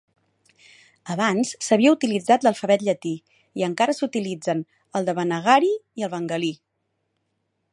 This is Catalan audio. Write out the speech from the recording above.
Abans s'havia utilitzat l'alfabet llatí, i encara s'utilitzen el devanagari i el bengalí.